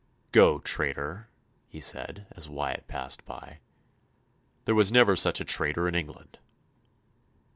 "Go, traitor," he said, as Wyatt passed by, "there was never such a traitor in England."